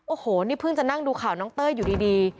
โอ้โหนี่เพิ่งจะนั่งดูข่าวน้องเต้ยอยู่ดี